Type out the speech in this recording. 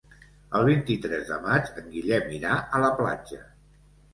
El vint-i-tres de maig en Guillem irà a la platja.